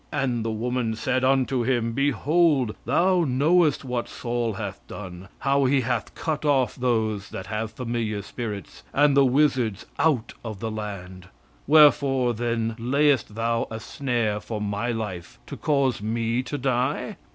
] "And the woman said unto him, Behold, thou knowest what Saul hath done, how he hath cut off those that have familiar spirits, and the wizards, out of the land; wherefore then layest thou a snare for my life to cause me to die?